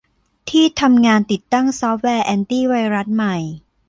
ที่ทำงานติดตั้งซอฟต์แวร์แอนตี้ไวรัสใหม่